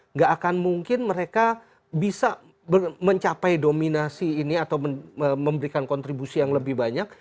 nggak akan mungkin mereka bisa mencapai dominasi ini atau memberikan kontribusi yang lebih banyak